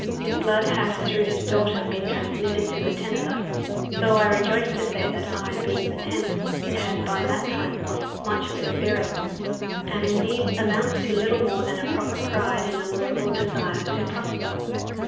His blood hath through his daughter been transmitted to the ten of us, though I rejoice to say that I, being the tenth, it had by that time lost much of its virulence, and indeed amounts to little more than a proper pride, and a laudable desire to prosper.